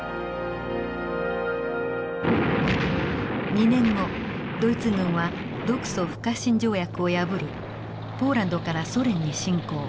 ２年後ドイツ軍は独ソ不可侵条約を破りポーランドからソ連に侵攻。